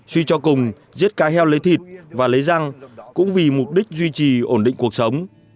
suy cho cùng giết cá heo lấy thịt và lấy răng cũng vì mục đích duy trì ổn định cuộc sống